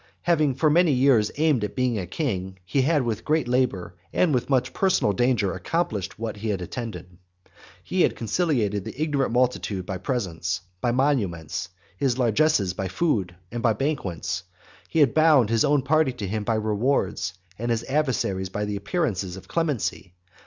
Having for many years aimed at being a king, he had with great labour, and much personal danger, accomplished what he intended. He had conciliated the ignorant multitude by presents, by monuments, by largesses of food, and by banquets, he had bound his own party to him by rewards, his adversaries by the appearances of clemency.